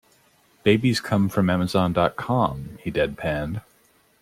"Babies come from amazon.com," he deadpanned.